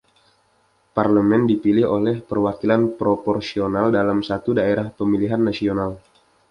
Parlemen dipilih oleh perwakilan proporsional dalam satu daerah pemilihan nasional.